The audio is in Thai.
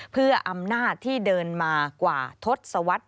เพื่ออำนาจที่เดินมากว่าทศวรรษ